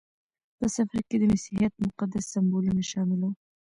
په سفر کې د مسیحیت مقدس سمبولونه شامل وو.